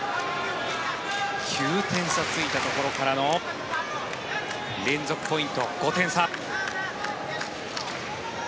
９点差ついたところからの連続ポイント、５点差。